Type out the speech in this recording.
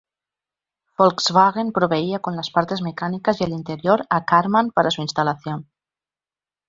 Volkswagen proveía con las partes mecánicas y el interior a Karmann para su instalación.